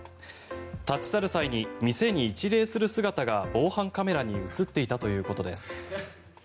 立ち去る際に店に一礼する姿が防犯カメラに映っていたということです。